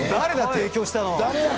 提供したの誰や？